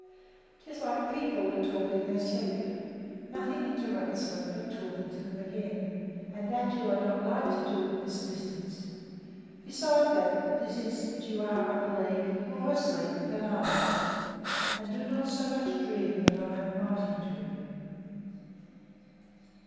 'Tis like people that talk in their sleep, nothing interrupts them but talking to them again, and that you are not like to do at this distance; besides that, at this instant you are, I believe, more asleep than I, and do not so much as dream that I am writing to you.